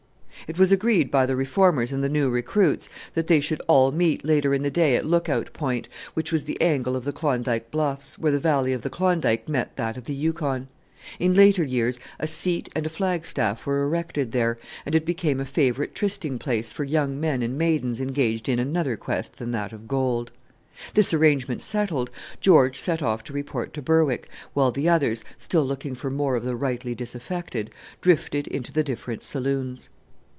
It was agreed by the reformers and the new recruits that they should all meet later in the day at Lookout Point, which was the angle of the Klondike Bluffs, where the valley of the Klondike met that of the Yukon. In later years a seat and a flag staff were erected there, and it became a favourite trysting place for young men and maidens engaged in another quest than that of gold. This arrangement settled, George set off to report to Berwick, while the others, still looking for more of the rightly disaffected, drifted into the different saloons.